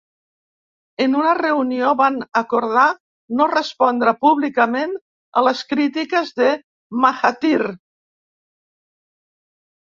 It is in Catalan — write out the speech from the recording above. En una reunió, van acordar no respondre públicament a les crítiques de Mahathir.